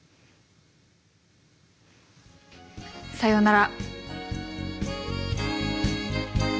さようなら。